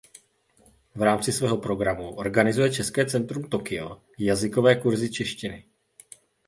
V rámci svého programu organizuje České centrum Tokio jazykové kurzy češtiny.